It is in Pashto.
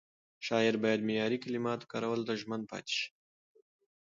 شاعر باید معیاري کلماتو کارولو ته ژمن پاتې شي.